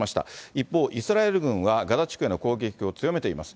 一方、イスラエル軍はガザ地区への攻撃を強めています。